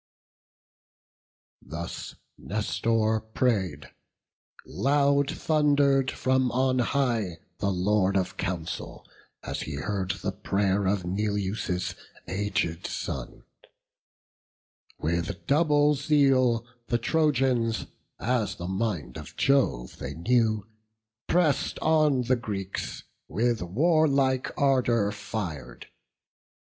Thus Nestor pray'd; loud thunder'd from on high The Lord of counsel, as he heard the pray'r Of Neleus' aged son; with double zeal, The Trojans, as the mind of Jove they knew, Press'd on the Greeks, with warlike ardour fir'd.